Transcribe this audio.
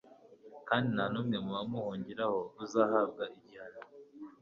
kandi nta n'umwe mu bamuhungiraho uzahabwa igihano